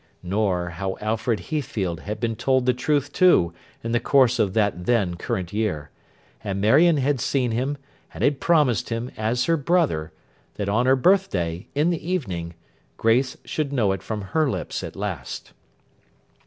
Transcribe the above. Nor, how Alfred Heathfield had been told the truth, too, in the course of that then current year; and Marion had seen him, and had promised him, as her brother, that on her birth day, in the evening, Grace should know it from her lips at last.